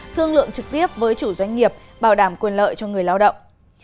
thương lượng trực tiếp với chủ doanh nghiệp bảo đảm quyền lợi cho người lao động